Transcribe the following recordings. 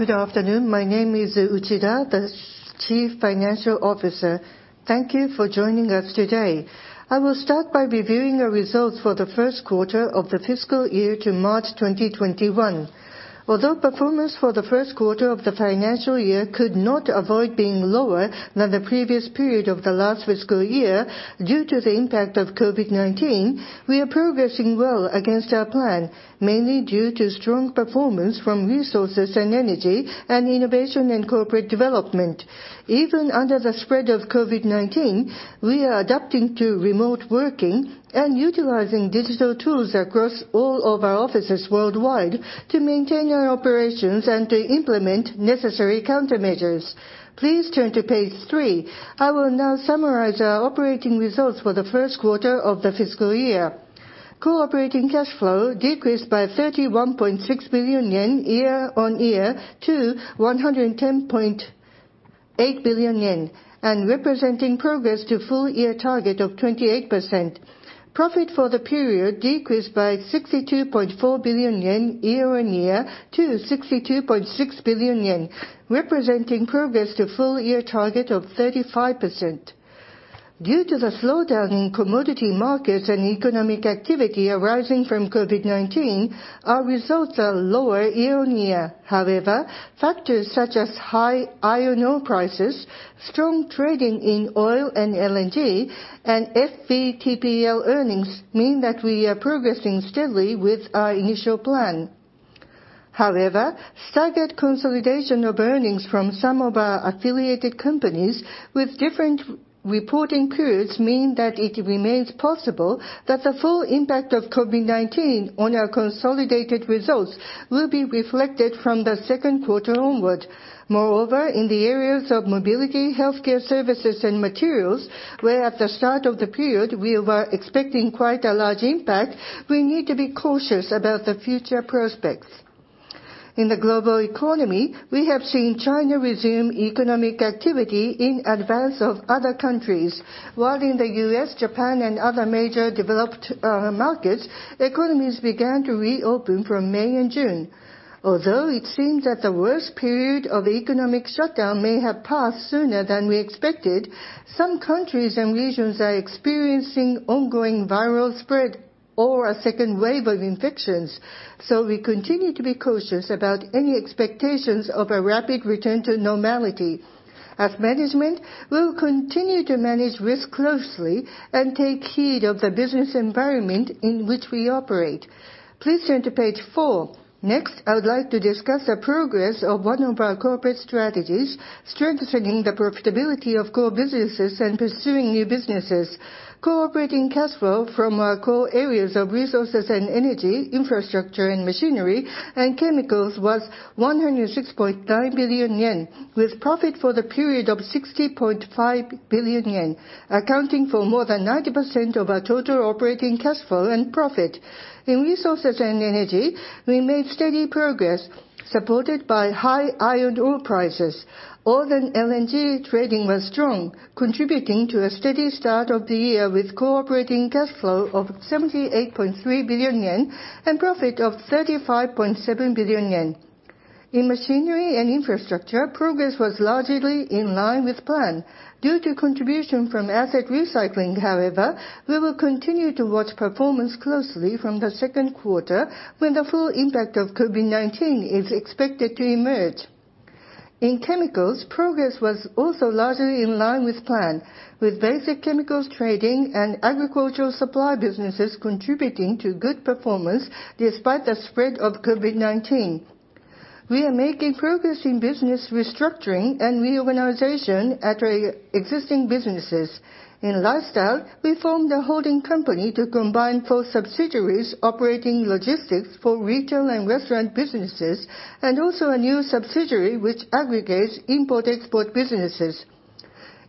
Good afternoon. My name is Uchida, the Chief Financial Officer. Thank you for joining us today. I will start by reviewing our results for the first quarter of the fiscal year to March 2021. Although performance for the first quarter of the financial year could not avoid being lower than the previous period of the last fiscal year due to the impact of COVID-19, we are progressing well against our plan, mainly due to strong performance from Resources & Energy and Innovation & Corporate Development. Even under the spread of COVID-19, we are adapting to remote working and utilizing digital tools across all of our offices worldwide to maintain our operations and to implement necessary countermeasures. Please turn to page three. I will now summarize our operating results for the first quarter of the fiscal year. Core operating cash flow decreased by 31.6 billion yen year-on-year to 110.8 billion yen, representing progress to full-year target of 28%. Profit for the period decreased by 62.4 billion yen year-on-year to 62.6 billion yen, representing progress to full-year target of 35%. Due to the slowdown in commodity markets and economic activity arising from COVID-19, our results are lower year-on-year. Factors such as high iron ore prices, strong trading in oil and LNG, and FVTPL earnings mean that we are progressing steadily with our initial plan. Staggered consolidation of earnings from some of our affiliated companies with different reporting periods mean that it remains possible that the full impact of COVID-19 on our consolidated results will be reflected from the second quarter onwards. Moreover, in the areas of mobility, healthcare services, and materials, where at the start of the period we were expecting quite a large impact, we need to be cautious about the future prospects. In the global economy, we have seen China resume economic activity in advance of other countries, while in the U.S., Japan, and other major developed markets, economies began to reopen from May and June. Although it seems that the worst period of economic shutdown may have passed sooner than we expected, some countries and regions are experiencing ongoing viral spread or a second wave of infections. We continue to be cautious about any expectations of a rapid return to normality. As management, we will continue to manage risk closely and take heed of the business environment in which we operate. Please turn to page four. Next, I would like to discuss the progress of one of our corporate strategies, strengthening the profitability of core businesses and pursuing new businesses. Core operating cash flow from our core areas of Resources & Energy, Machinery & Infrastructure, and chemicals was 106.9 billion yen, with profit for the period of 60.5 billion yen, accounting for more than 90% of our total operating cash flow and profit. In Resources & Energy, we made steady progress, supported by high iron ore prices. Oil and LNG trading was strong, contributing to a steady start of the year with core operating cash flow of 78.3 billion yen and profit of 35.7 billion yen. In Machinery & Infrastructure, progress was largely in line with plan. Due to contribution from asset recycling, however, we will continue to watch performance closely from the second quarter when the full impact of COVID-19 is expected to emerge. In chemicals, progress was also largely in line with plan, with basic chemicals trading and agricultural supply businesses contributing to good performance despite the spread of COVID-19. We are making progress in business restructuring and reorganization at our existing businesses. In lifestyle, we formed a holding company to combine four subsidiaries operating logistics for retail and restaurant businesses, and also a new subsidiary which aggregates import-export businesses.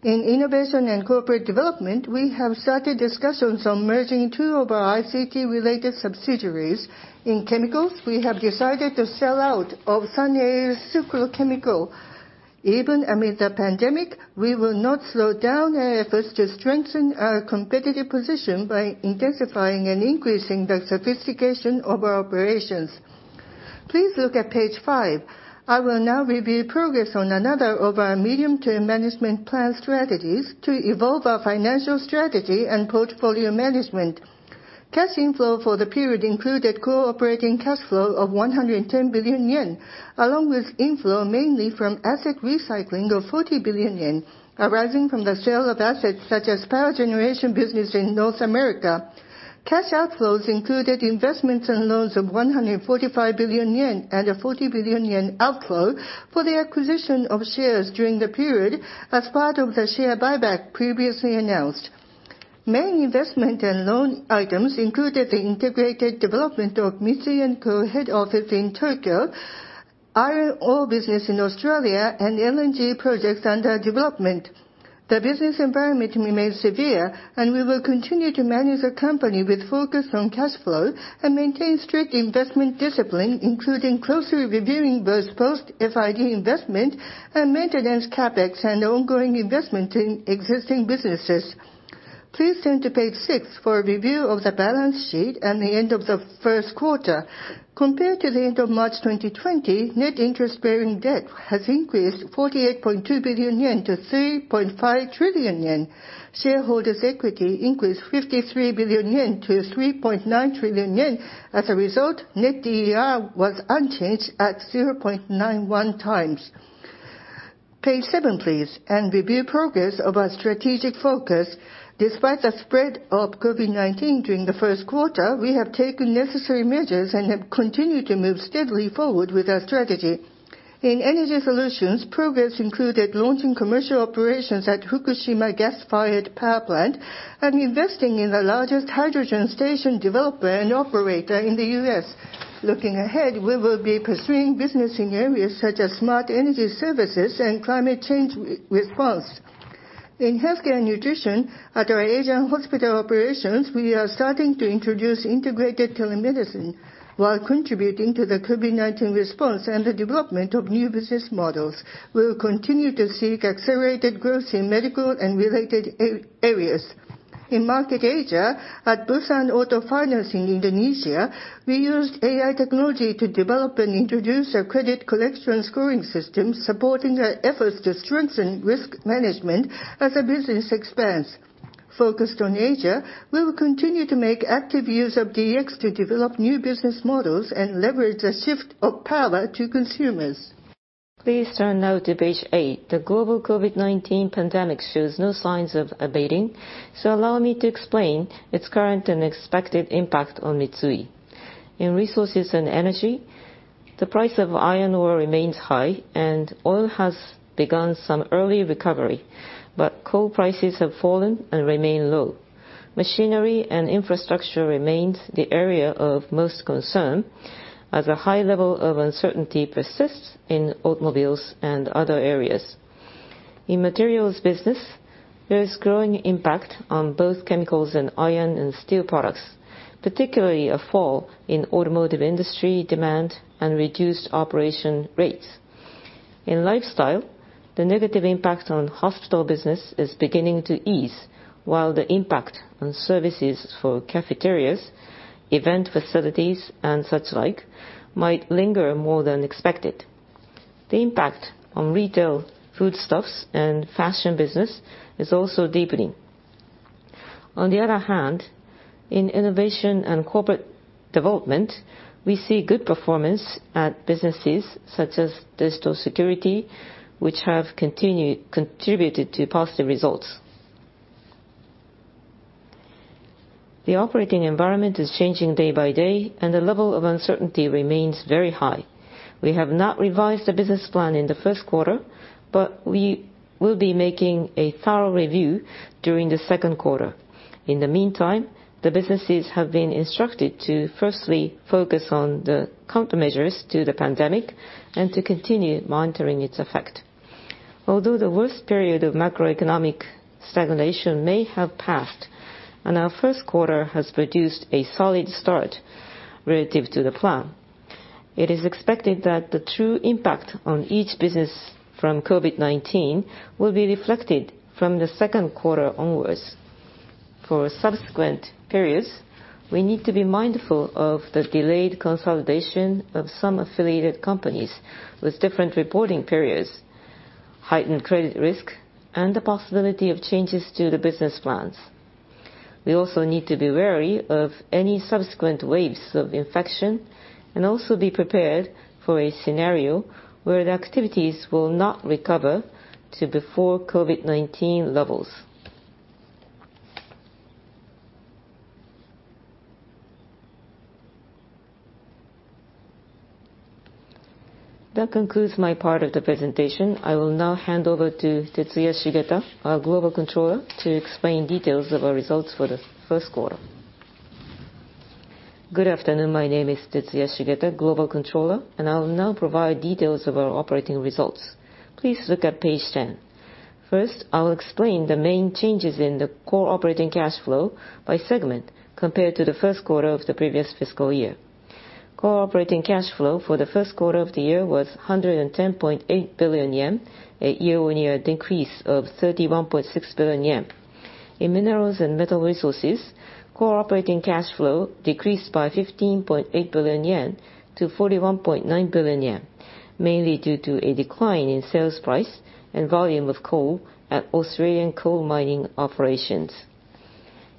In Innovation & Corporate Development, we have started discussions on merging two of our ICT-related subsidiaries. In chemicals, we have decided to sell out of Sanei Sucre Chemical. Even amid the pandemic, we will not slow down our efforts to strengthen our competitive position by intensifying and increasing the sophistication of our operations. Please look at page five. I will now review progress on another of our medium-term management plan strategies to evolve our financial strategy and portfolio management. Cash inflow for the period included core operating cash flow of 110 billion yen, along with inflow mainly from asset recycling of 40 billion yen, arising from the sale of assets such as power generation business in North America. Cash outflows included investments and loans of 145 billion yen and a 40 billion yen outflow for the acquisition of shares during the period as part of the share buyback previously announced. Main investment and loan items included the integrated development of Mitsui & Co. head office in Tokyo, iron ore business in Australia, and LNG projects under development. The business environment remains severe, and we will continue to manage the company with focus on cash flow and maintain strict investment discipline, including closely reviewing both post-FID investment and maintenance CapEx and ongoing investment in existing businesses. Please turn to page six for a review of the balance sheet and the end of the first quarter. Compared to the end of March 2020, net interest-bearing debt has increased 48.2 billion yen to 3.5 trillion yen. Shareholders' equity increased 53 billion yen to 3.9 trillion yen. As a result, net DER was unchanged at 0.91 times. Page seven, please, and review progress of our strategic focus. Despite the spread of COVID-19 during the first quarter, we have taken necessary measures and have continued to move steadily forward with our strategy. In Energy Solutions, progress included launching commercial operations at Fukushima gas-fired power plant and investing in the largest hydrogen station developer and operator in the U.S. Looking ahead, we will be pursuing business in areas such as smart energy services and climate change response. In Healthcare & Nutrition, at our Asian hospital operations, we are starting to introduce integrated telemedicine while contributing to the COVID-19 response and the development of new business models. We will continue to seek accelerated growth in medical and related areas. In Market Asia, at Bussan Auto Finance in Indonesia, we used AI technology to develop and introduce a credit collection scoring system supporting our efforts to strengthen risk management as the business expands. Focused on Asia, we will continue to make active use of DX to develop new business models and leverage the shift of power to consumers. Please turn now to page eight. The global COVID-19 pandemic shows no signs of abating, so allow me to explain its current and expected impact on Mitsui. In Resources & Energy, the price of iron ore remains high, and oil has begun some early recovery, but coal prices have fallen and remain low. Machinery & Infrastructure remains the area of most concern as a high level of uncertainty persists in automobiles and other areas. In Materials business, there is growing impact on both chemicals and iron and steel products, particularly a fall in automotive industry demand and reduced operation rates. In Lifestyle, the negative impact on hospital business is beginning to ease, while the impact on services for cafeterias, event facilities, and such like might linger more than expected. The impact on retail foodstuffs and fashion business is also deepening. On the other hand, in Innovation & Corporate Development, we see good performance at businesses such as digital security, which have contributed to positive results. The operating environment is changing day by day, and the level of uncertainty remains very high. We have not revised the business plan in the first quarter, but we will be making a thorough review during the second quarter. In the meantime, the businesses have been instructed to firstly focus on the countermeasures to the pandemic and to continue monitoring its effect. Although the worst period of macroeconomic stagnation may have passed, and our first quarter has produced a solid start relative to the plan, it is expected that the true impact on each business from COVID-19 will be reflected from the second quarter onwards. For subsequent periods, we need to be mindful of the delayed consolidation of some affiliated companies with different reporting periods, heightened credit risk, and the possibility of changes to the business plans. We also need to be wary of any subsequent waves of infection and also be prepared for a scenario where the activities will not recover to before COVID-19 levels. That concludes my part of the presentation. I will now hand over to Tetsuya Shigeta, our Global Controller, to explain details of our results for the first quarter. Good afternoon. My name is Tetsuya Shigeta, Global Controller, and I will now provide details of our operating results. Please look at page 10. First, I will explain the main changes in the core operating cash flow by segment compared to the first quarter of the previous fiscal year. Core operating cash flow for the first quarter of the year was 110.8 billion yen, a year-on-year decrease of 31.6 billion yen. In Mineral & Metal Resources, core operating cash flow decreased by 15.8 billion yen to 41.9 billion yen, mainly due to a decline in sales price and volume of coal at Australian coal mining operations.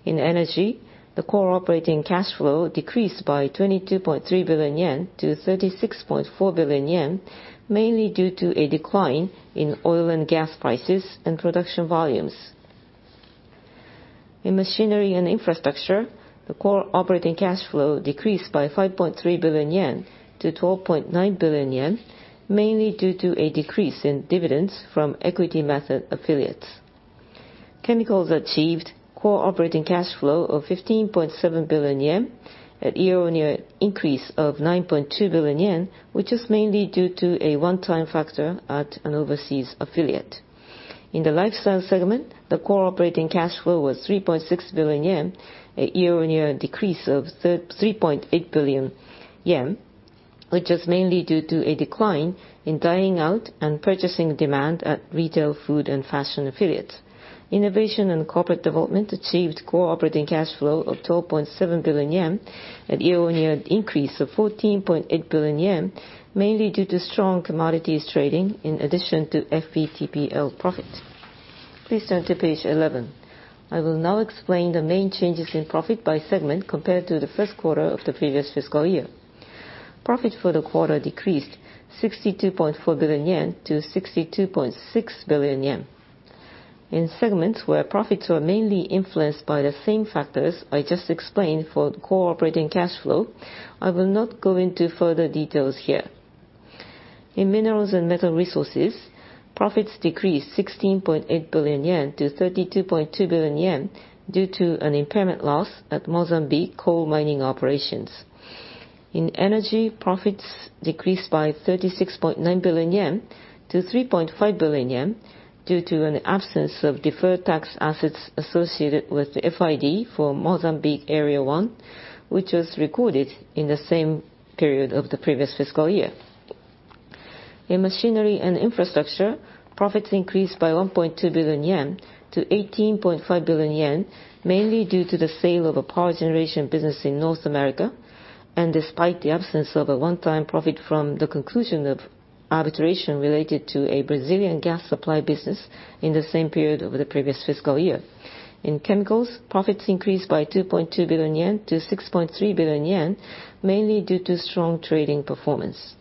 In Energy, the core operating cash flow decreased by 22.3 billion yen to 36.4 billion yen, mainly due to a decline in oil and gas prices and production volumes. In Machinery & Infrastructure, the core operating cash flow decreased by 5.3 billion yen to 12.9 billion yen, mainly due to a decrease in dividends from equity method affiliates. Chemicals achieved core operating cash flow of 15.7 billion yen, a year-on-year increase of 9.2 billion yen, which is mainly due to a one-time factor at an overseas affiliate. In the Lifestyle segment, the core operating cash flow was 3.6 billion yen, a year-on-year decrease of 3.8 billion yen. Which is mainly due to a decline in dining out and purchasing demand at retail, food, and fashion affiliates. Innovation & Corporate Development achieved core operating cash flow of 12.7 billion yen, a year-on-year increase of 14.8 billion yen, mainly due to strong commodities trading in addition to FVTPL profit. Please turn to page 11. I will now explain the main changes in profit by segment compared to the first quarter of the previous fiscal year. Profit for the quarter decreased 62.4 billion yen to 62.6 billion yen. In segments where profits were mainly influenced by the same factors I just explained for core operating cash flow, I will not go into further details here. In Mineral & Metal Resources, profits decreased 16.8 billion yen to 32.2 billion yen due to an impairment loss at Mozambique coal mining operations. In energy, profits decreased by 36.9 billion yen to 3.5 billion yen due to an absence of deferred tax assets associated with the FID for Mozambique Area One, which was recorded in the same period of the previous fiscal year. In Machinery & Infrastructure, profits increased by 1.2 billion yen to 18.5 billion yen, mainly due to the sale of a power generation business in North America, and despite the absence of a one-time profit from the conclusion of arbitration related to a Brazilian gas supply business in the same period of the previous fiscal year. In chemicals, profits increased by 2.2 billion yen to 6.3 billion yen, mainly due to strong trading performance.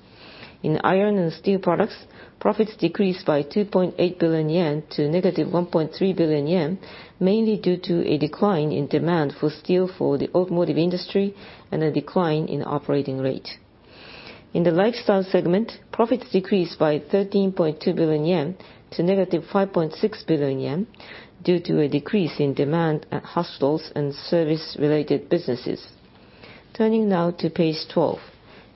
In iron and steel products, profits decreased by 2.8 billion yen to negative 1.3 billion yen, mainly due to a decline in demand for steel for the automotive industry and a decline in operating rate. In the lifestyle segment, profits decreased by 13.2 billion yen to negative 5.6 billion yen due to a decrease in demand at hotels and service-related businesses. Turning now to page 12.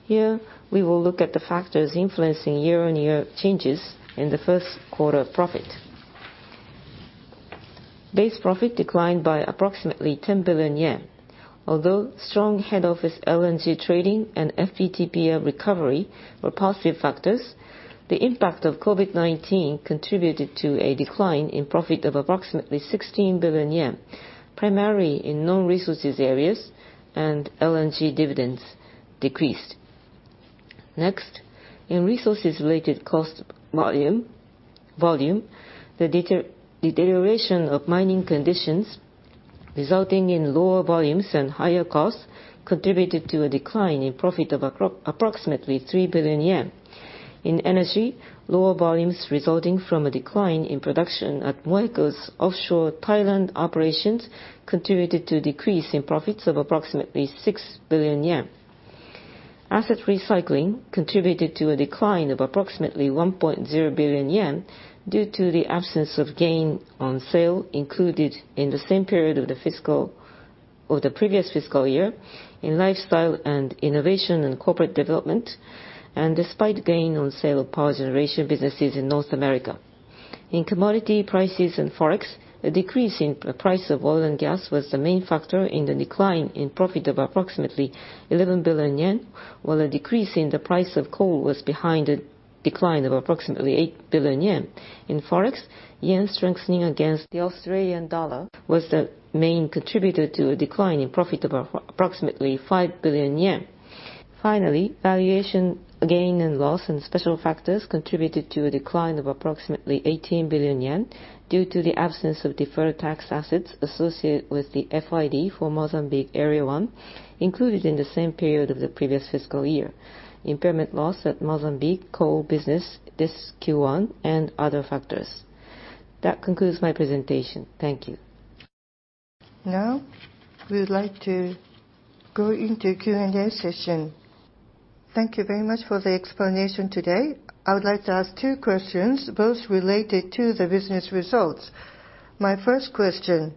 Here, we will look at the factors influencing year-on-year changes in the first quarter profit. Base profit declined by approximately 10 billion yen. Although strong head office LNG trading and FVTPL recovery were positive factors, the impact of COVID-19 contributed to a decline in profit of approximately 16 billion yen, primarily in non-resources areas and LNG dividends decreased. Next, in resources related cost volume, the deterioration of mining conditions resulting in lower volumes and higher costs contributed to a decline in profit of approximately 3 billion yen. In energy, lower volumes resulting from a decline in production at MOECO's offshore Thailand operations contributed to a decrease in profits of approximately 6 billion yen. asset recycling contributed to a decline of approximately 1.0 billion yen due to the absence of gain on sale included in the same period of the previous fiscal year in lifestyle and Innovation & Corporate Development, and despite gain on sale of power generation businesses in North America. In commodity prices and Forex, a decrease in the price of oil and gas was the main factor in the decline in profit of approximately 11 billion yen, while a decrease in the price of coal was behind a decline of approximately 8 billion yen. In Forex, JPY strengthening against the AUD was the main contributor to a decline in profit of approximately 5 billion yen. Valuation gain and loss and special factors contributed to a decline of approximately 18 billion yen due to the absence of deferred tax assets associated with the FID for Mozambique Area One included in the same period of the previous fiscal year, impairment loss at Mozambique coal business this Q1 and other factors. That concludes my presentation. Thank you. Now, we would like to go into Q&A session. Thank you very much for the explanation today. I would like to ask two questions, both related to the business results. My first question.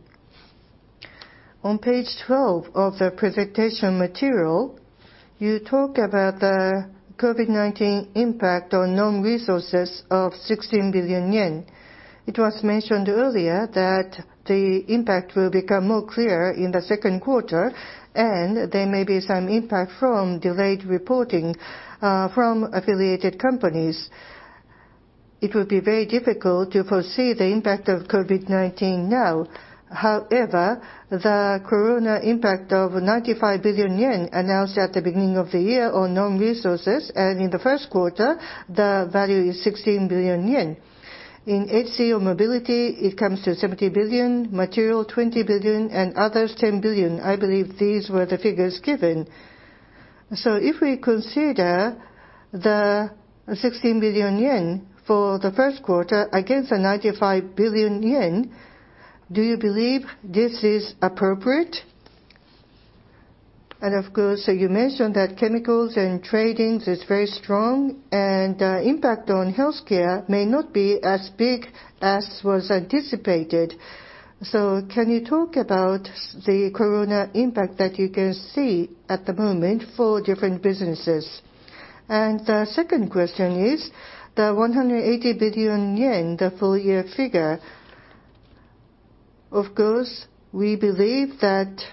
On page 12 of the presentation material, you talk about the COVID-19 impact on non-resources of 16 billion yen. It was mentioned earlier that the impact will become more clear in the second quarter, and there may be some impact from delayed reporting from affiliated companies. It will be very difficult to foresee the impact of COVID-19 now. The corona impact of 95 billion yen announced at the beginning of the year on non-resources, and in the first quarter, the value is 16 billion yen. In HCA mobility, it comes to 70 billion, material 20 billion, and others 10 billion. I believe these were the figures given. If we consider the 16 billion yen for the first quarter against the 95 billion yen, do you believe this is appropriate? Of course, you mentioned that chemicals and tradings is very strong, and impact on healthcare may not be as big as was anticipated. Can you talk about the corona impact that you can see at the moment for different businesses? The second question is, the 180 billion yen, the full-year figure. Of course, we believe that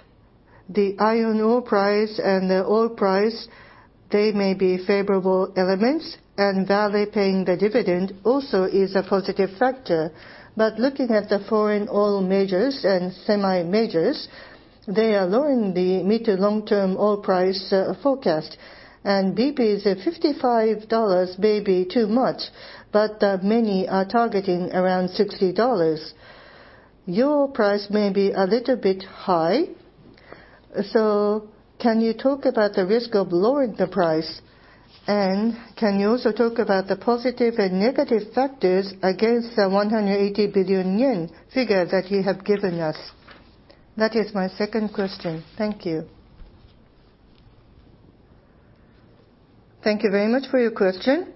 the iron ore price and the oil price, they may be favorable elements, and Vale paying the dividend also is a positive factor. Looking at the foreign oil majors and semi-majors, they are lowering the mid- to long-term oil price forecast. BP's $55 may be too much, but many are targeting around $60. Your price may be a little bit high. Can you talk about the risk of lowering the price? Can you also talk about the positive and negative factors against the 180 billion yen figure that you have given us? That is my second question. Thank you. Thank you very much for your question.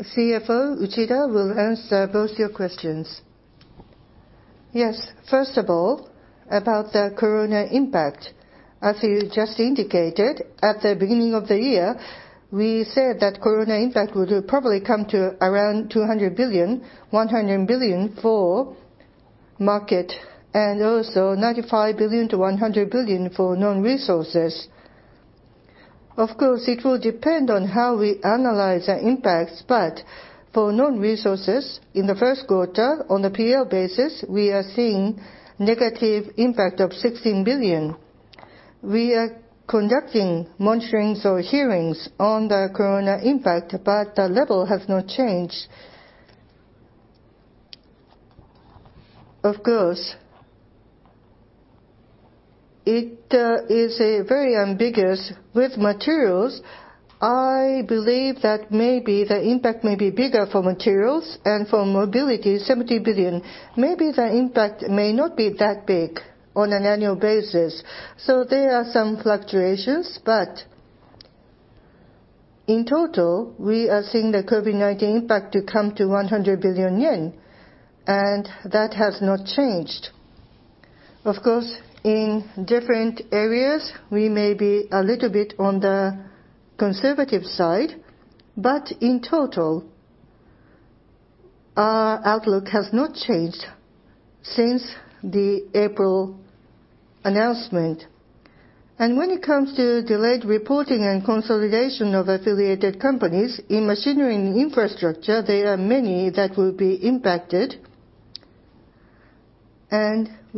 CFO Uchida will answer both your questions. First of all, about the corona impact. As you just indicated, at the beginning of the year, we said that corona impact would probably come to around 200 billion, 100 billion for market, and also 95 billion to 100 billion for non-resources. Of course, it will depend on how we analyze the impacts, but for non-resources, in the first quarter, on a P&L basis, we are seeing negative impact of 16 billion. We are conducting monitorings or hearings on the corona impact, but the level has not changed. Of course, it is very ambiguous. With materials, I believe that maybe the impact may be bigger for materials, and for mobility, 70 billion. Maybe the impact may not be that big on an annual basis. There are some fluctuations. In total, we are seeing the COVID-19 impact to come to 100 billion yen, and that has not changed. Of course, in different areas, we may be a little bit on the conservative side, but in total, our outlook has not changed since the April announcement. When it comes to delayed reporting and consolidation of affiliated companies, in Machinery & Infrastructure, there are many that will be impacted.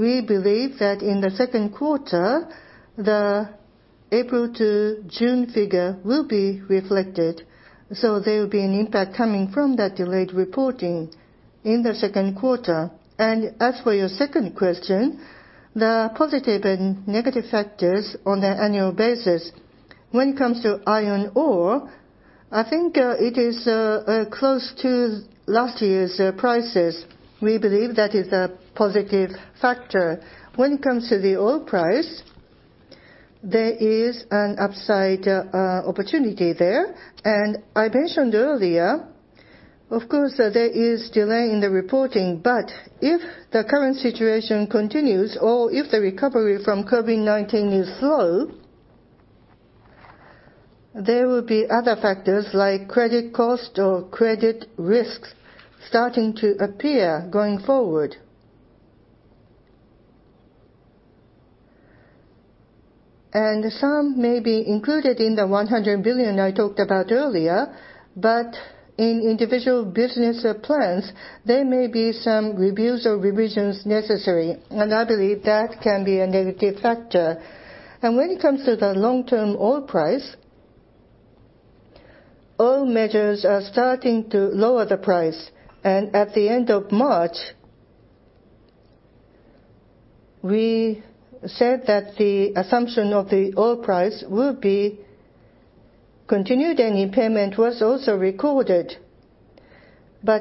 We believe that in the second quarter, the April to June figure will be reflected. There will be an impact coming from that delayed reporting in the second quarter. As for your second question, the positive and negative factors on an annual basis. When it comes to iron ore, I think it is close to last year's prices. We believe that is a positive factor. When it comes to the oil price, there is an upside opportunity there. I mentioned earlier, of course, there is delay in the reporting, but if the current situation continues, or if the recovery from COVID-19 is slow, there will be other factors like credit cost or credit risks starting to appear going forward. Some may be included in the 100 billion I talked about earlier, but in individual business plans, there may be some reviews or revisions necessary, and I believe that can be a negative factor. When it comes to the long-term oil price, oil majors are starting to lower the price. At the end of March, we said that the assumption of the oil price will be continued, and repayment was also recorded.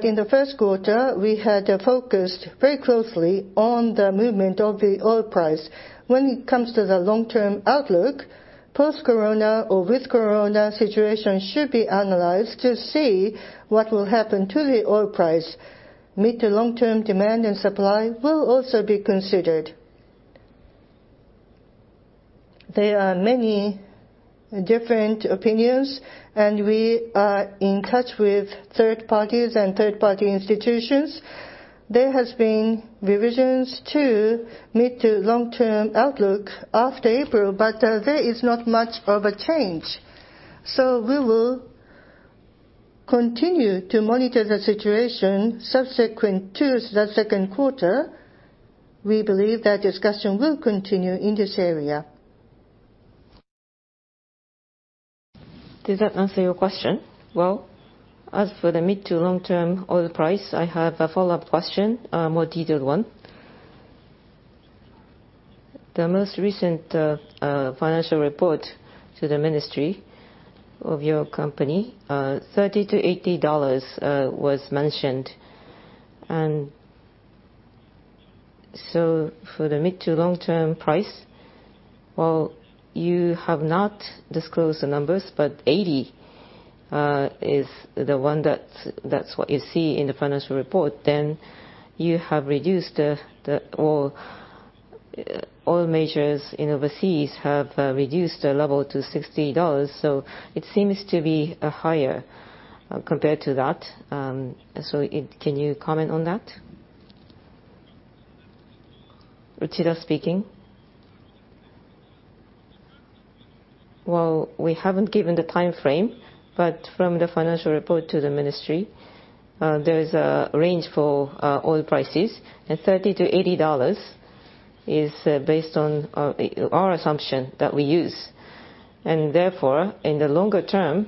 In the first quarter, we had focused very closely on the movement of the oil price. When it comes to the long-term outlook, post-COVID-19 or with COVID-19 situation should be analyzed to see what will happen to the oil price. Mid- to long-term demand and supply will also be considered. There are many different opinions, and we are in touch with third parties and third-party institutions. There has been revisions to mid- to long-term outlook after April, but there is not much of a change. We will continue to monitor the situation subsequent to the second quarter. We believe that discussion will continue in this area. Did that answer your question? Well, as for the mid- to long-term oil price, I have a follow-up question, a more detailed one. The most recent financial report to the ministry of your company, $30-$80 was mentioned. For the mid- to long-term price, while you have not disclosed the numbers, but $80 is the one that you see in the financial report, then you have reduced the oil. All majors in overseas have reduced their level to $60. It seems to be higher compared to that. Can you comment on that? Uchida speaking. Well, we haven't given the timeframe, but from the financial report to the ministry, there is a range for oil prices, and $30-$80 is based on our assumption that we use. Therefore, in the longer term,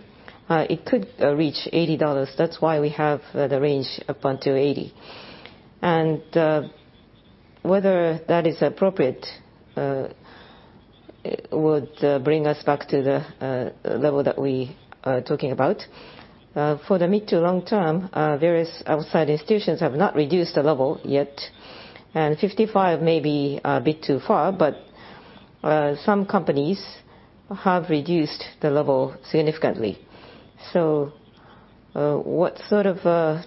it could reach $80. That's why we have the range up until $80. Whether that is appropriate would bring us back to the level that we are talking about. For the mid to long term, various outside institutions have not reduced the level yet, and $55 may be a bit too far, but some companies have reduced the level significantly. What sort of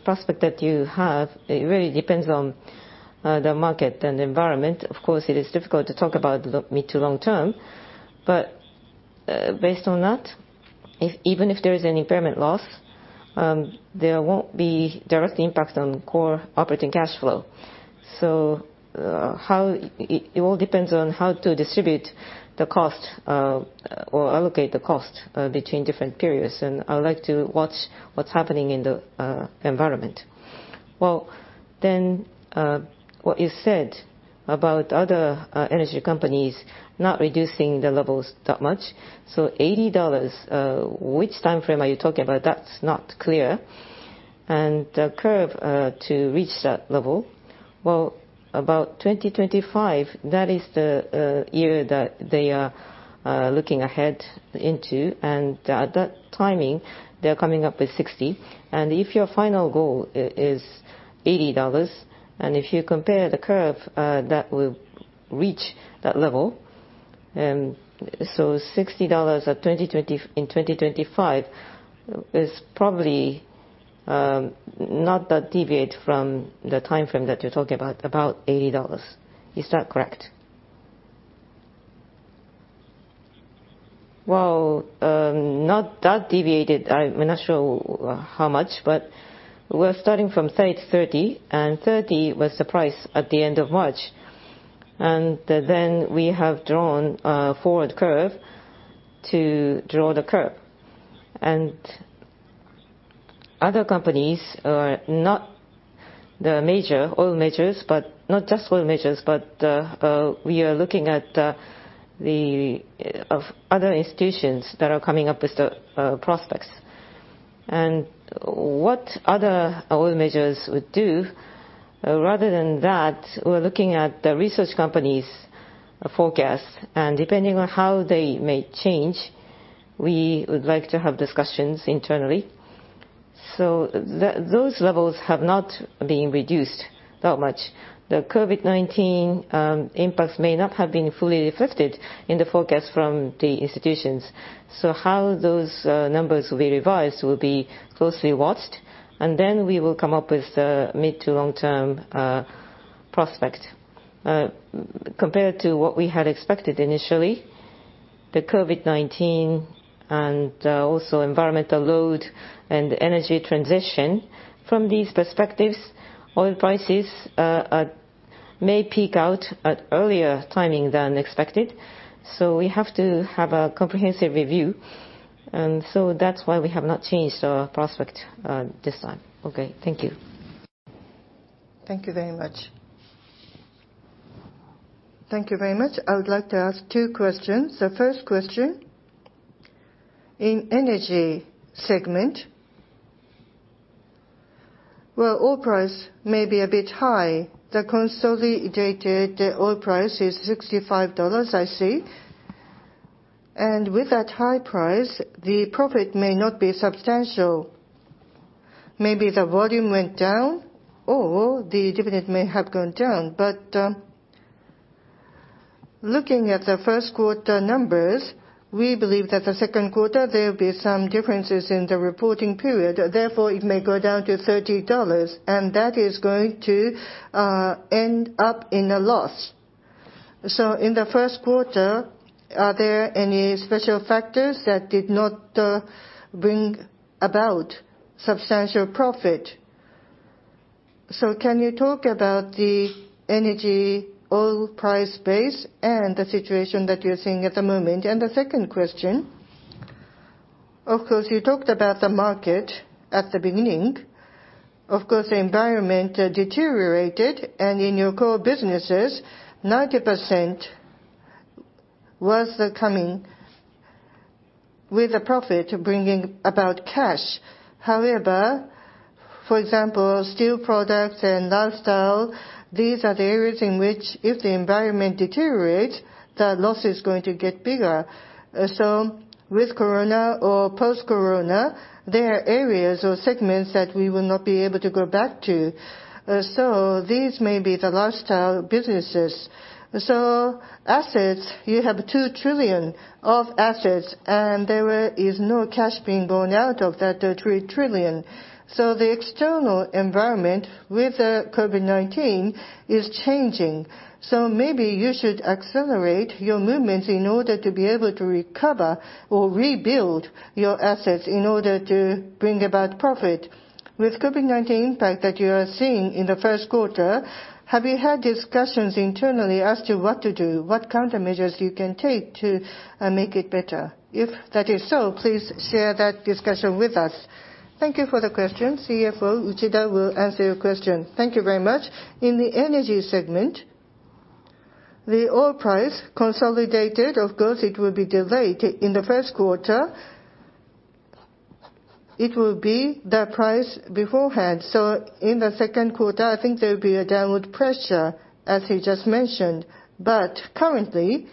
prospect that you have, it really depends on the market and the environment. Of course, it is difficult to talk about mid to long term, but based on that, even if there is an impairment loss, there won't be direct impact on core operating cash flow. It all depends on how to distribute the cost, or allocate the cost, between different periods, and I would like to watch what's happening in the environment. Well, what you said about other energy companies not reducing the levels that much. $80, which timeframe are you talking about? That's not clear. The curve to reach that level, well, about 2025, that is the year that they are looking ahead into, and at that timing, they're coming up with $60. If your final goal is $80, if you compare the curve that will reach that level, $60 in 2025 is probably not that deviated from the timeframe that you're talking about $80. Is that correct? Not that deviated. I'm not sure how much, but we're starting from 30/30 was the price at the end of March. We have drawn a forward curve to draw the curve. Other companies are not the oil majors, not just oil majors, but we are looking at other institutions that are coming up with the prospects. What other oil majors would do, rather than that, we're looking at the research company's forecast. Depending on how they may change, we would like to have discussions internally. Those levels have not been reduced that much. The COVID-19 impacts may not have been fully reflected in the forecast from the institutions. How those numbers will be revised will be closely watched, we will come up with the mid to long-term prospect. Compared to what we had expected initially, the COVID-19 and also environmental load and energy transition, from these perspectives, oil prices may peak out at earlier timing than expected. We have to have a comprehensive review, that's why we have not changed our prospect this time. Okay. Thank you. Thank you very much. Thank you very much. I would like to ask two questions. The first question, in energy segment, where oil price may be a bit high, the consolidated oil price is $65, I see. With that high price, the profit may not be substantial. Maybe the volume went down, or the dividend may have gone down. Looking at the first quarter numbers, we believe that the second quarter, there will be some differences in the reporting period. It may go down to $30, and that is going to end up in a loss. In the first quarter, are there any special factors that did not bring about substantial profit? Can you talk about the energy oil price base and the situation that you're seeing at the moment? The second question, of course, you talked about the market at the beginning. Of course, the environment deteriorated. In your core businesses, 90% was coming with a profit bringing about cash. However, for example, steel products and lifestyle, these are the areas in which if the environment deteriorates, the loss is going to get bigger. With COVID or post-COVID, there are areas or segments that we will not be able to go back to. These may be the lifestyle businesses. Assets, you have 2 trillion of assets. There is no cash being gone out of that 3 trillion. The external environment with COVID-19 is changing. Maybe you should accelerate your movements in order to be able to recover or rebuild your assets, in order to bring about profit. With COVID-19 impact that you are seeing in the first quarter, have you had discussions internally as to what to do, what countermeasures you can take to make it better? If that is so, please share that discussion with us. Thank you for the question. CFO Uchida will answer your question. Thank you very much. In the energy segment, the oil price consolidated. Of course, it will be delayed in the first quarter. It will be the price beforehand. In the second quarter, I think there will be a downward pressure, as you just mentioned. Currently,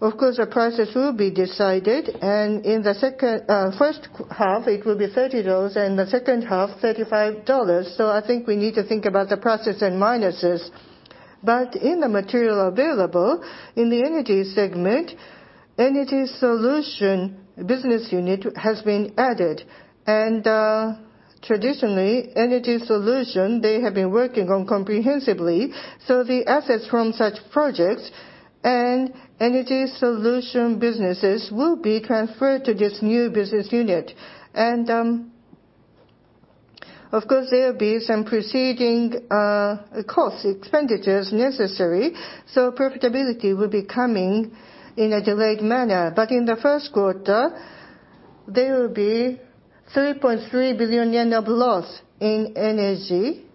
of course, the prices will be decided, and in the first half, it will be $30, and the second half, $35. I think we need to think about the prices and minuses. In the material available in the energy segment, Integrated Energy Solutions Business Unit has been added. Traditionally, energy solution, they have been working on comprehensively. The assets from such projects and energy solution businesses will be transferred to this new business unit. Of course, there will be some preceding costs, expenditures necessary. Profitability will be coming in a delayed manner. In the first quarter, there will be 3.3 billion yen of loss in energy.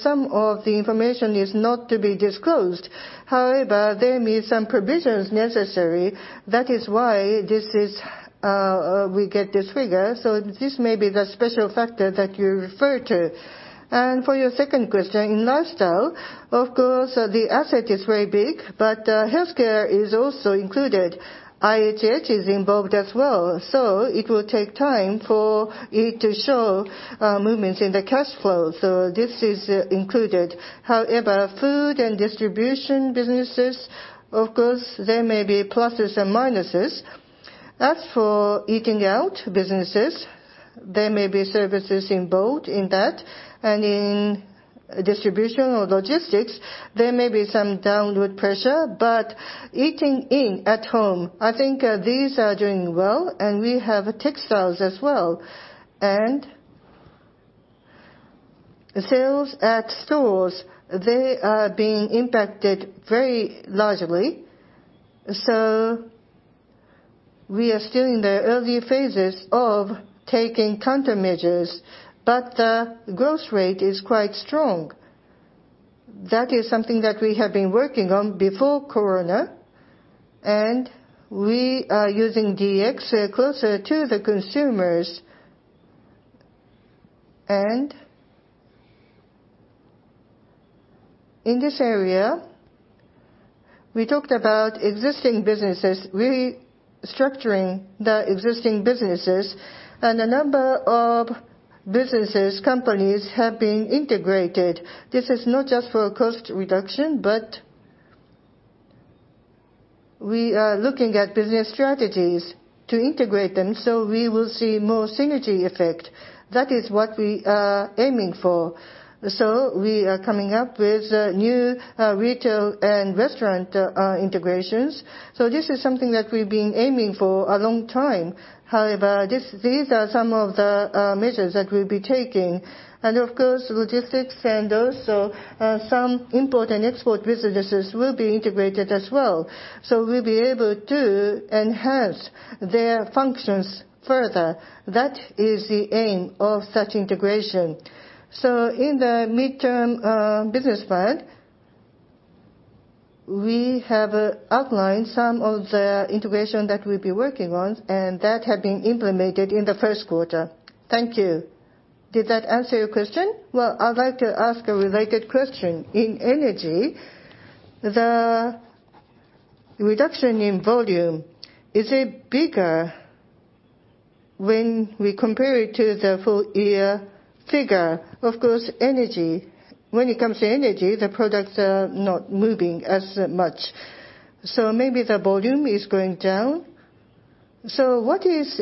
Some of the information is not to be disclosed. However, there may some provisions necessary. That is why we get this figure. This may be the special factor that you refer to. For your second question, in Lifestyle, of course, the asset is very big. Healthcare is also included. IHH is involved as well. It will take time for it to show movements in the cash flow. This is included. However, food and distribution businesses, of course, there may be pluses and minuses. As for eating out businesses, there may be services involved in that. In distribution or logistics, there may be some downward pressure. Eating in at home, I think these are doing well, and we have textiles as well. Sales at stores, they are being impacted very largely. We are still in the early phases of taking countermeasures, but the growth rate is quite strong. That is something that we have been working on before COVID-19, and we are using DX closer to the consumers. In this area, we talked about existing businesses, restructuring the existing businesses, and a number of businesses, companies, have been integrated. This is not just for cost reduction, but we are looking at business strategies to integrate them so we will see more synergy effect. That is what we are aiming for. We are coming up with new retail and restaurant integrations. This is something that we've been aiming for a long time. However, these are some of the measures that we'll be taking. Of course, logistics and also some import and export businesses will be integrated as well. We'll be able to enhance their functions further. That is the aim of such integration. In the midterm business plan, we have outlined some of the integration that we'll be working on, and that had been implemented in the first quarter. Thank you. Did that answer your question? Well, I'd like to ask a related question. In energy, the reduction in volume, is it bigger when we compare it to the full-year figure? Of course, energy. When it comes to energy, the products are not moving as much. Maybe the volume is going down. What is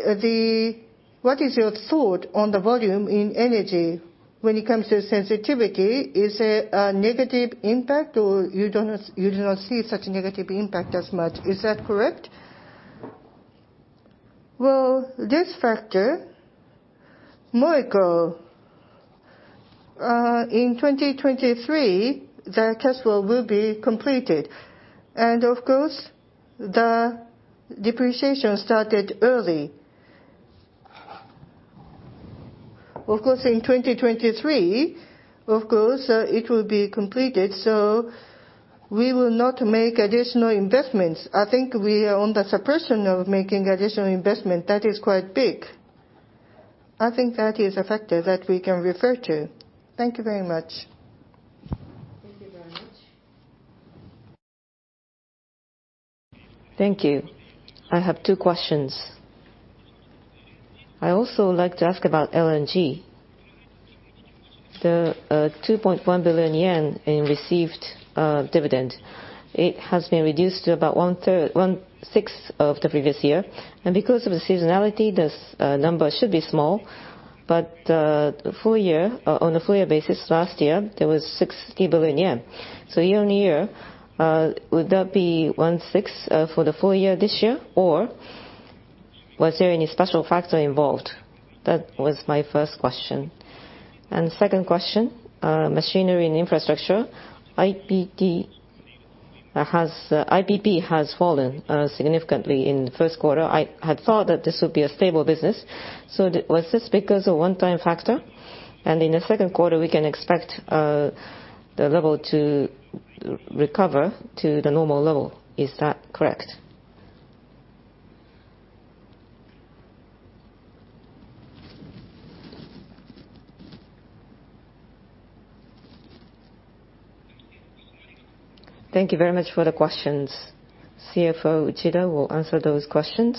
your thought on the volume in energy when it comes to sensitivity? Is it a negative impact, or you do not see such a negative impact as much? Is that correct? Well, this factor, MOECO, in 2023, the test flow will be completed. Of course, the depreciation started early. Of course, in 2023, of course, it will be completed, we will not make additional investments. I think we are on the suppression of making additional investment. That is quite big. I think that is a factor that we can refer to. Thank you very much. Thank you very much. Thank you. I have two questions. I also like to ask about LNG. The 2.1 billion yen in received dividend, it has been reduced to about one-third one-sixth of the previous year. Because of the seasonality, this number should be small, but on a full year basis last year, there was 60 billion yen. Year-on-year, would that be one-sixth for the full year this year, or was there any special factor involved? That was my first question. Second question, Machinery & Infrastructure, IPP has fallen significantly in the first quarter. I had thought that this would be a stable business. Was this because of a one-time factor, and in the second quarter we can expect the level to recover to the normal level? Is that correct? Thank you very much for the questions. CFO Uchida will answer those questions.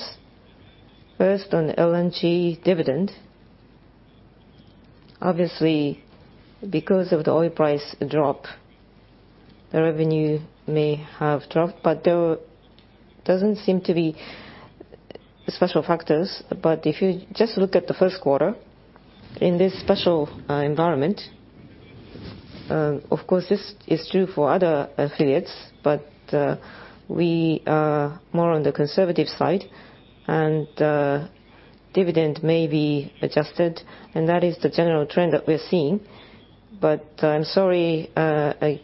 First on LNG dividend, obviously, because of the oil price drop, the revenue may have dropped, but there doesn't seem to be special factors. If you just look at the first quarter, in this special environment, of course, this is true for other affiliates. We are more on the conservative side, and dividend may be adjusted, and that is the general trend that we're seeing. I'm sorry, I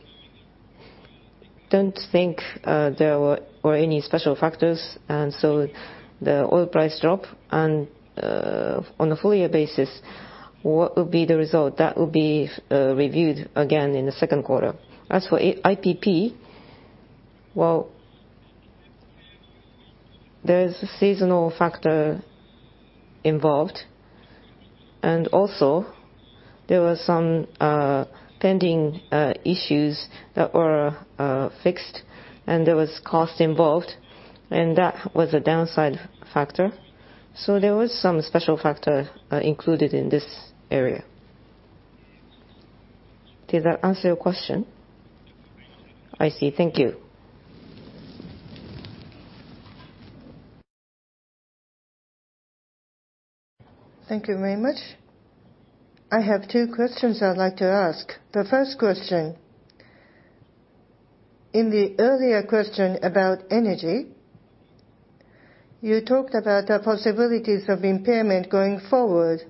don't think there were any special factors. The oil price drop, and on a full year basis, what would be the result? That would be reviewed again in the second quarter. As for IPP, well, there's a seasonal factor involved, and also there were some pending issues that were fixed, and there was cost involved, and that was a downside factor. There was some special factor included in this area. Did that answer your question? I see. Thank you. Thank you very much. I have two questions I'd like to ask. The first question, in the earlier question about energy, you talked about the possibilities of impairment going forward.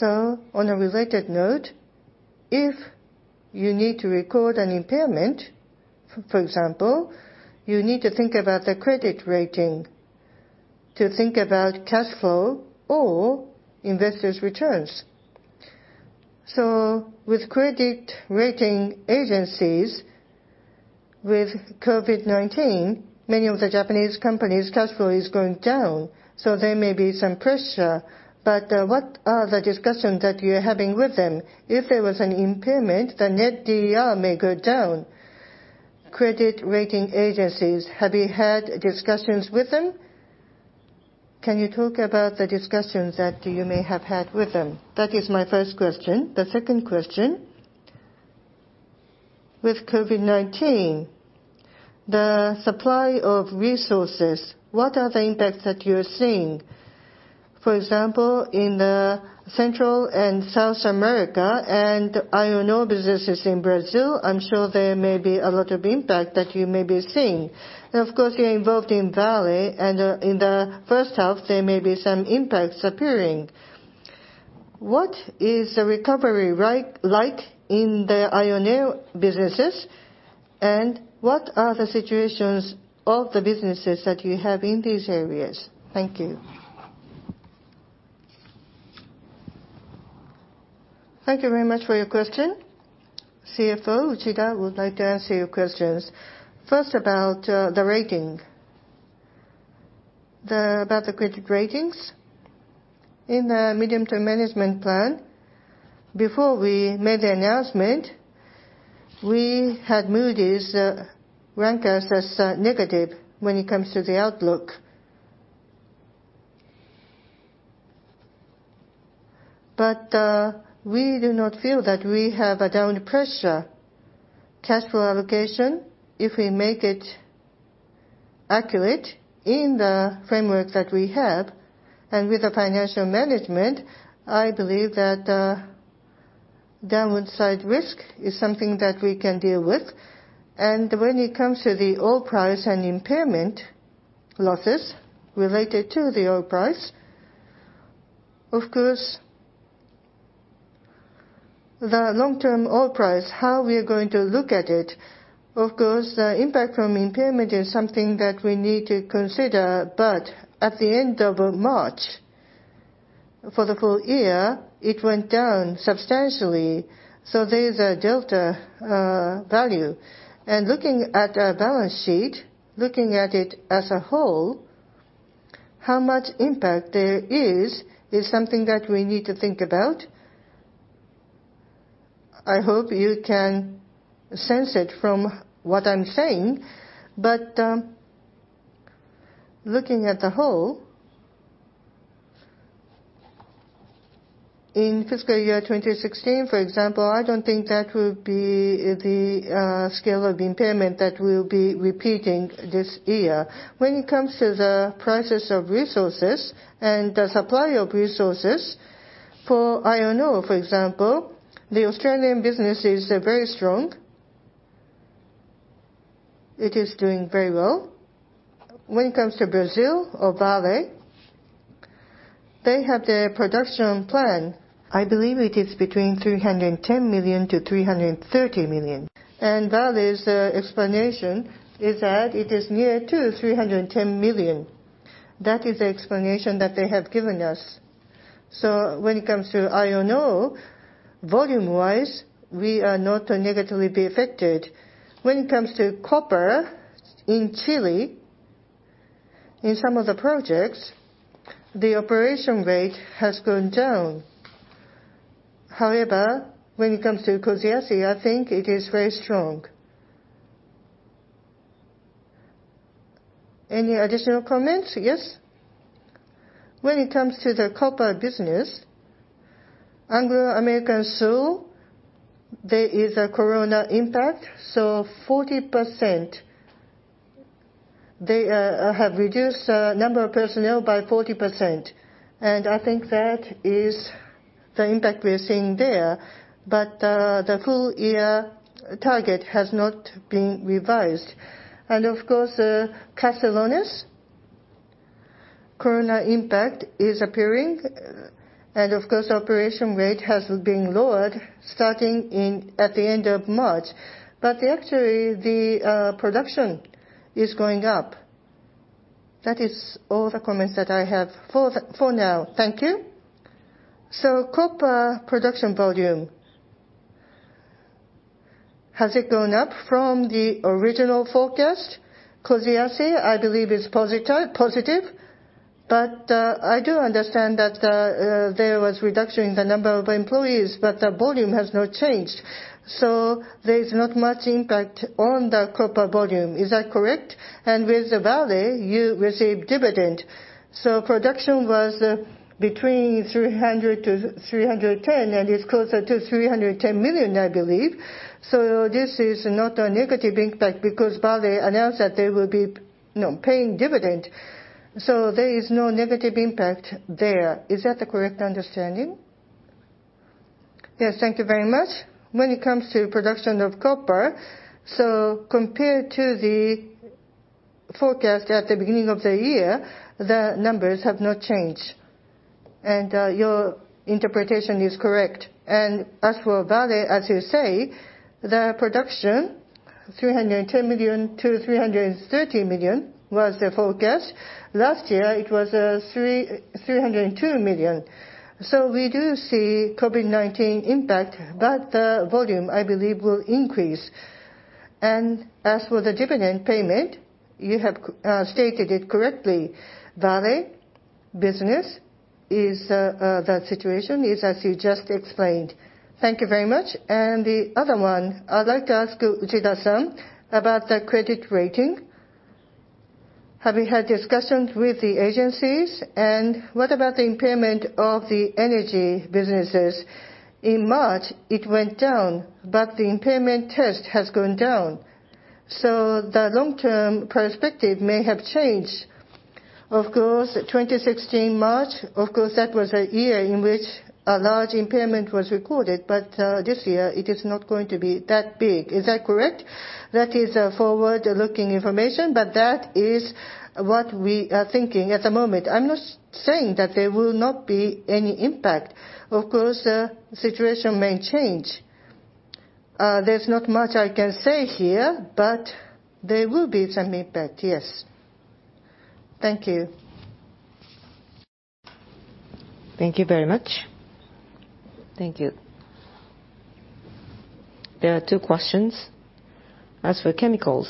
On a related note, if you need to record an impairment, for example, you need to think about the credit rating to think about cash flow or investors' returns. With credit rating agencies, with COVID-19, many of the Japanese companies' cash flow is going down, there may be some pressure. What are the discussions that you're having with them? If there was an impairment, the net DER may go down. Credit rating agencies, have you had discussions with them? Can you talk about the discussions that you may have had with them? That is my first question. The second question, with COVID-19, the supply of resources, what are the impacts that you're seeing? For example, in the Central and South America and iron ore businesses in Brazil, I'm sure there may be a lot of impact that you may be seeing. Of course, you're involved in Vale, and in the first half, there may be some impacts appearing. What is the recovery like in the iron ore businesses, and what are the situations of the businesses that you have in these areas? Thank you. Thank you very much for your question. CFO Uchida would like to answer your questions. First, about the credit ratings. In the medium-term management plan, before we made the announcement, we had Moody's rank us as negative when it comes to the outlook. We do not feel that we have a downward pressure. Cash flow allocation, if we make it accurate in the framework that we have, and with the financial management, I believe that the downside risk is something that we can deal with. When it comes to the oil price and impairment losses related to the oil price, of course. The long-term oil price, how we are going to look at it, of course, the impact from impairment is something that we need to consider. At the end of March, for the full year, it went down substantially. There is a delta value. Looking at our balance sheet, looking at it as a whole, how much impact there is something that we need to think about. I hope you can sense it from what I'm saying. Looking at the whole, in fiscal year 2016, for example, I don't think that will be the scale of impairment that we'll be repeating this year. When it comes to the prices of resources and the supply of resources for iron ore, for example, the Australian business is very strong. It is doing very well. When it comes to Brazil or Vale, they have their production plan. I believe it is between 310 million-330 million. Vale's explanation is that it is near to 310 million. That is the explanation that they have given us. When it comes to iron ore, volume-wise, we are not negatively affected. When it comes to copper in Chile, in some of the projects, the operation rate has gone down. However, when it comes to (Koziaski), I think it is very strong. Any additional comments? Yes. When it comes to the copper business, Anglo American Sur, there is a COVID-19 impact. They have reduced number of personnel by 40%. I think that is the impact we are seeing there. The full-year target has not been revised. Of course, Caserones, COVID-19 impact is appearing. Of course, operation rate has been lowered starting at the end of March. Actually, the production is going up. That is all the comments that I have for now. Thank you. Copper production volume, has it gone up from the original forecast? Collahuasi, I believe is positive, but I do understand that there was reduction in the number of employees, but the volume has not changed. There's not much impact on the copper volume. Is that correct? With Vale, you receive dividend. Production was between 300-310, and it's closer to 310 million, I believe. This is not a negative impact because Vale announced that they will be paying dividend. There is no negative impact there. Is that the correct understanding? Yes. Thank you very much. When it comes to production of copper, compared to the forecast at the beginning of the year, the numbers have not changed. Your interpretation is correct. As for Vale, as you say, the production, 310 million to 330 million was the forecast. Last year, it was 302 million. We do see COVID-19 impact, but the volume, I believe, will increase. As for the dividend payment, you have stated it correctly. Vale business, the situation is as you just explained. Thank you very much. The other one, I'd like to ask Uchida-san about the credit rating. Have you had discussions with the agencies? What about the impairment of the energy businesses? In March, it went down, but the impairment test has gone down. The long-term perspective may have changed. Of course, 2016, March, of course, that was a year in which a large impairment was recorded. This year, it is not going to be that big. Is that correct? That is forward-looking information, but that is what we are thinking at the moment. I'm not saying that there will not be any impact. Of course, the situation may change. There's not much I can say here, but there will be some impact, yes. Thank you. Thank you very much. Thank you. There are two questions. As for chemicals,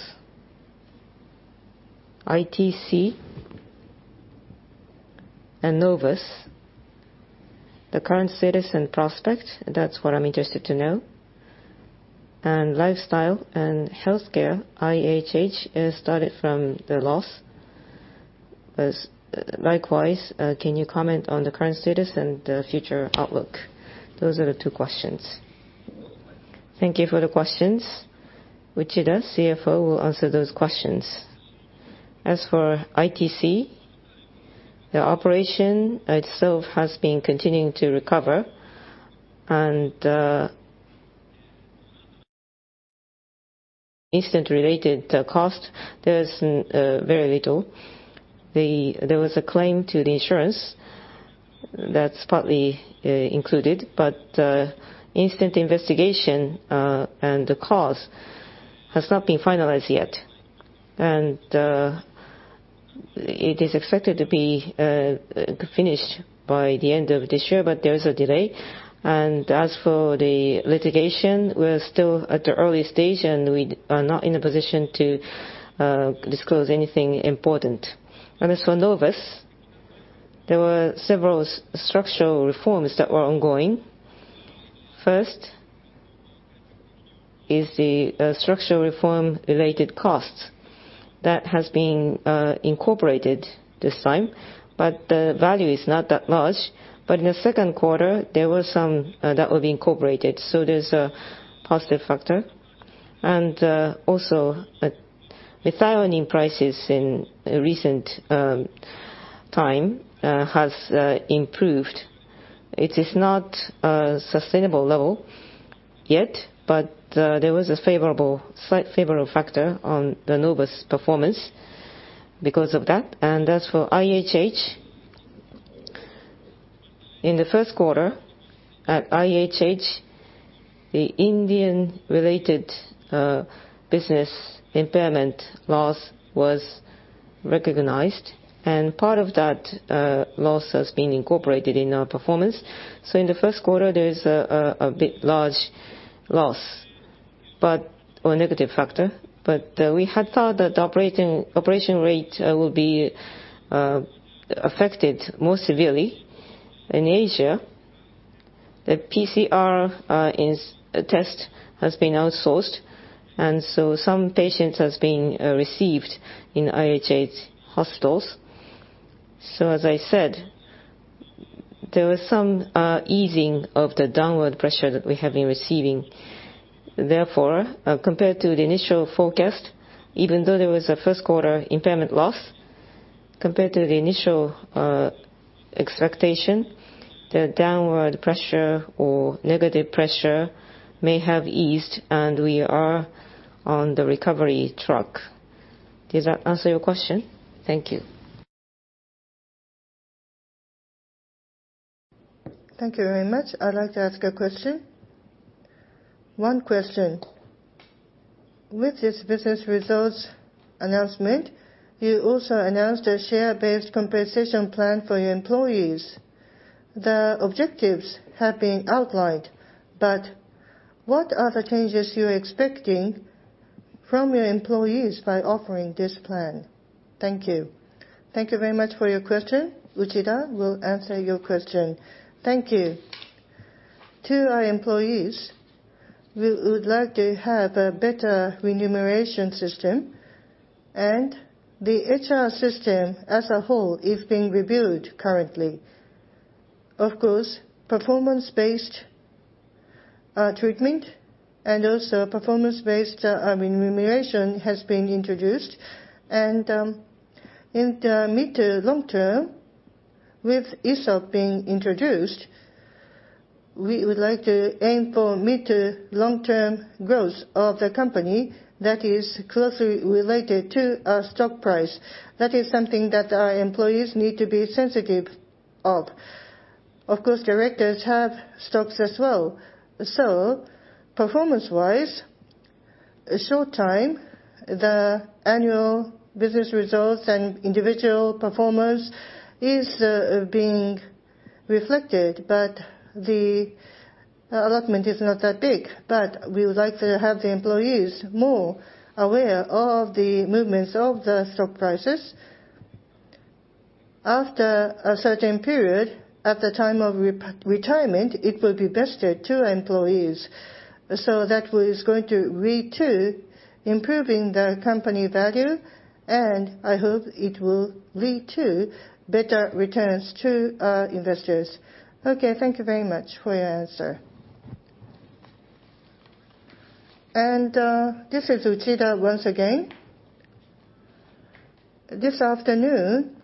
ITC and Novus, the current status and prospects, that's what I'm interested to know. Lifestyle and healthcare, IHH, it started from the loss. Likewise, can you comment on the current status and the future outlook? Those are the two questions. Thank you for the questions. Uchida, CFO, will answer those questions. As for ITC, the operation itself has been continuing to recover. Incident-related cost, there's very little. There was a claim to the insurance that's partly included, but the incident investigation and the cause has not been finalized yet. It is expected to be finished by the end of this year, but there is a delay. As for the litigation, we're still at the early stage, and we are not in a position to disclose anything important. As for Novus, there were several structural reforms that were ongoing. First is the structural reform-related costs. That has been incorporated this time, but the value is not that much. In the second quarter, there were some that will be incorporated, so there's a positive factor. Also, methionine prices in recent time has improved. It is not a sustainable level yet, but there was a slight favorable factor on the Novus performance because of that. As for IHH, in the first quarter at IHH, the Indian-related business impairment loss was recognized, and part of that loss has been incorporated in our performance. In the first quarter, there is a bit large loss, or a negative factor. We had thought that the operation rate will be affected more severely in Asia. The PCR test has been outsourced, some patients have been received in IHH hospitals. As I said, there was some easing of the downward pressure that we have been receiving. Therefore, compared to the initial forecast, even though there was a first quarter impairment loss, compared to the initial expectation, the downward pressure or negative pressure may have eased, and we are on the recovery track. Did that answer your question? Thank you. Thank you very much. I'd like to ask a question. One question. With this business results announcement, you also announced a share-based compensation plan for your employees. The objectives have been outlined, but what are the changes you're expecting from your employees by offering this plan? Thank you. Thank you very much for your question. Uchida will answer your question. Thank you. To our employees, we would like to have a better remuneration system, and the HR system as a whole is being reviewed currently. Of course, performance-based treatment and also performance-based remuneration has been introduced. In the mid to long term, with ESOP being introduced, we would like to aim for mid to long-term growth of the company that is closely related to our stock price. That is something that our employees need to be sensitive of. Of course, directors have stocks as well, so performance-wise, short time, the annual business results and individual performance is being reflected, but the allotment is not that big. We would like to have the employees more aware of the movements of the stock prices. After a certain period, at the time of retirement, it will be vested to our employees. That is going to lead to improving the company value, and I hope it will lead to better returns to our investors. Okay. Thank you very much for your answer. This is Uchida once again. This afternoon,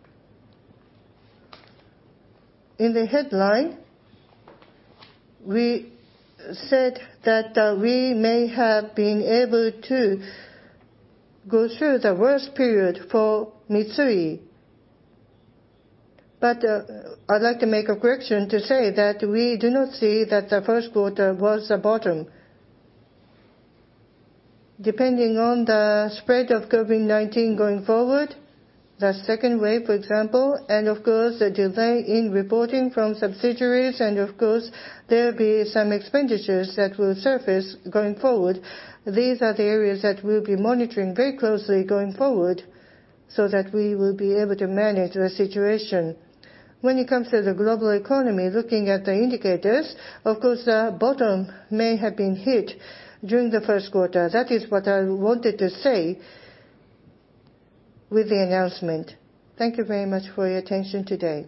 in the headline, we said that we may have been able to go through the worst period for Mitsui. I'd like to make a correction to say that we do not see that the first quarter was the bottom. Depending on the spread of COVID-19 going forward, the second wave, for example, and of course, the delay in reporting from subsidiaries, and of course, there'll be some expenditures that will surface going forward. These are the areas that we'll be monitoring very closely going forward so that we will be able to manage the situation. When it comes to the global economy, looking at the indicators, of course, the bottom may have been hit during the first quarter. That is what I wanted to say with the announcement. Thank you very much for your attention today.